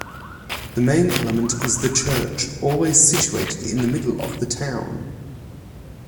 The main element is the church, always situated in the middle of the town.